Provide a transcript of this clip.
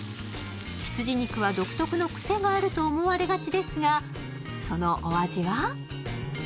羊肉は独特のクセがあると思われがちですがそのお味は？